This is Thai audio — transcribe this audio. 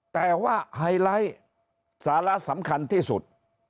แต่ว่าไฮไลท์สาระสำคัญที่สุด